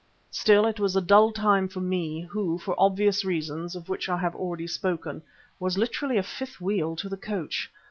Still, it was a dull time for me, who, for obvious reasons, of which I have already spoken, was literally a fifth wheel to the coach.